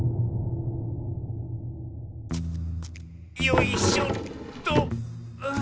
よいしょっと！